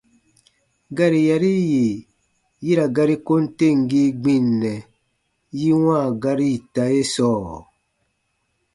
Gari yari yì yi ra gari kom temgii gbinnɛ yi wãa gari ita ye sɔɔ?